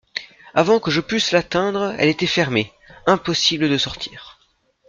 Avant que je pusse l'atteindre, elle était fermée ; impossible de sortir.